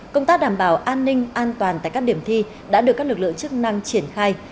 công tác đảm bảo an ninh an toàn tại các điểm thi đã được các lực lượng chức năng triển khai